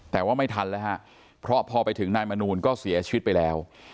แต่ว่าไม่ทันแล้วฮะเพราะพอไปถึงนายมนูลก็เสียชีวิตไปแล้ว